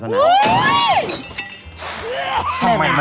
ข้อต่อต่อไปค่ะ